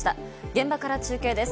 現場から中継です。